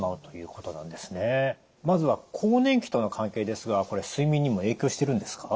まずは更年期との関係ですがこれ睡眠にも影響してるんですか？